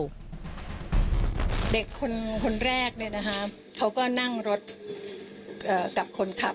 ว่าโดนกระทำไหมอย่างนี้